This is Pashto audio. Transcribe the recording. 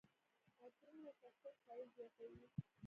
عطرونه د شخصیت ښایست زیاتوي.